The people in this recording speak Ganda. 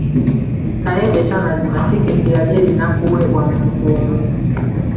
Naye nga ekyamazima tikeeti yali erina kuweebwa muntu omu.